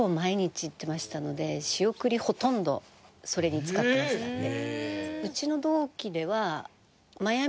仕送りほとんどそれに使ってましたね。